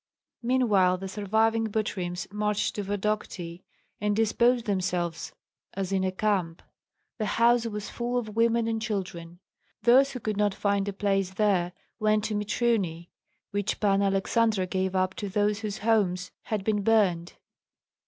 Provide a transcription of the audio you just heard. Meanwhile the surviving Butryms marched to Vodokty, and disposed themselves as in a camp. The house was full of women and children. Those who could not find a place there went to Mitruny, which Panna Aleksandra gave up to those whose homes had been burned.